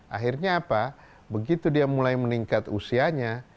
akhirnya apa begitu dia mulai meningkat usianya